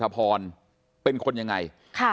ดาบอัธพรเป็นคนยังไง